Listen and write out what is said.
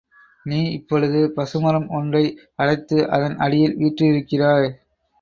நீ இப்பொழுது பசுமரம் ஒன்றை அடைத்து அதன் அடியில் வீற்றிருக்கிறாய்.